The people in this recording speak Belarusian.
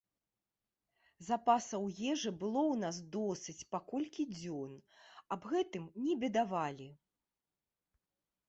Запасаў ежы было ў нас досыць па колькі дзён, аб гэтым не бедавалі.